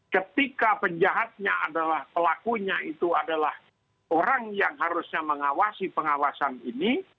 ketika penjahatnya adalah pelakunya itu adalah orang yang harusnya mengawasi pengawasan ini